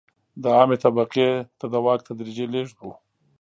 د عامې طبقې ته د واک تدریجي لېږد و.